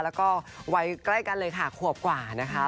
แล้วก็วัยใกล้กันเลยค่ะขวบกว่านะคะ